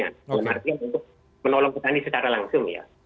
maksudnya untuk menolong petani secara langsung ya